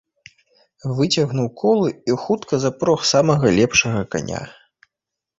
Выцягнуў колы і хутка запрог самага лепшага каня.